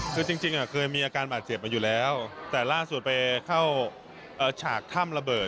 คือจริงเคยมีอาการบาดเจ็บมาอยู่แล้วแต่ล่าสุดไปเข้าฉากถ้ำระเบิด